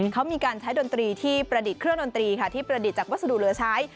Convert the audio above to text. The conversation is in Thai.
เขามีการใช้ดนตรีที่ประดิษฐ์เครื่องดนตรีจากวัสดุเรือใช้